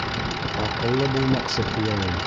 Аҡыллы булмаҡсы... кейәүем.